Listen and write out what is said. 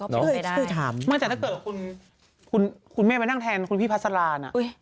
ก็พยายามไม่ได้มันจากถ้าเกิดว่าคุณคุณแม่มานั่งแทนคุณพี่พัศรานะ